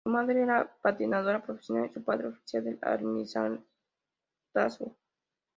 Su madre era patinadora profesional y su padre oficial del Almirantazgo.